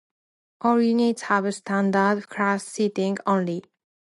All units have standard class seating only.